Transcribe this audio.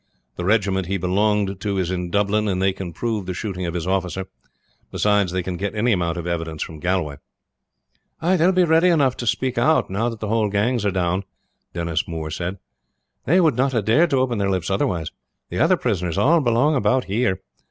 The regiment he belonged to is in Dublin, and they can prove the shooting of his officer; beside, they can get any amount of evidence from Galway." "Ay; they will be ready enough to speak out now the whole gang are down," Denis Moore said. "They would not have dared to open their lips otherwise. The other prisoners all belong about here.